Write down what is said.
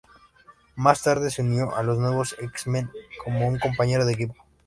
Más tarde se unió a los Nuevos X-Men como un compañero de equipo.